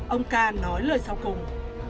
ông k nói lời sau cùng